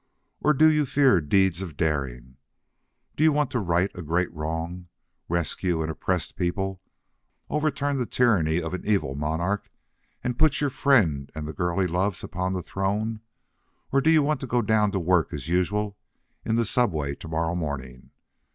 "Or do you fear deeds of daring? Do you want to right a great wrong? Rescue an oppressed people, overturn the tyranny of an evil monarch, and put your friend and the girl he loves upon the throne? Or do you want to go down to work as usual in the subway to morrow morning?